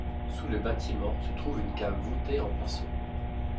Sous le bâtiment se trouve une cave voûtée en berceau.